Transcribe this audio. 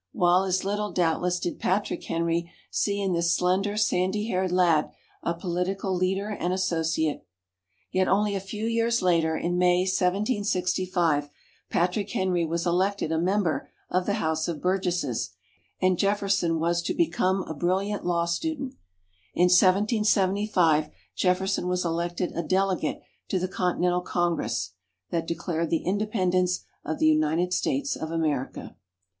While as little, doubtless, did Patrick Henry see in this slender sandy haired lad, a political leader and associate. Yet only a few years later, in May 1765, Patrick Henry was elected a member of the House of Burgesses, and Jefferson was become a brilliant law student. In 1775, Jefferson was elected a delegate to the Continental Congress, that declared the Independence of the United States of America.